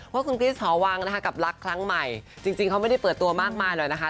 ว่าคุณคริสหอวังนะคะกับรักครั้งใหม่จริงเขาไม่ได้เปิดตัวมากมายเลยนะคะ